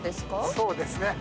そうですね。